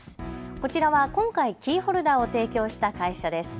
こちらは今回キーホルダーを提供した会社です。